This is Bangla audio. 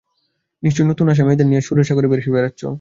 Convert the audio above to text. নিশ্চয় নতুন আসা মেয়েদের নিয়ে সুরের সাগরে ভেসে বেড়াচ্ছো।